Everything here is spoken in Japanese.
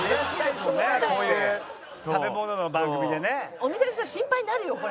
お店の人は心配になるよこれ。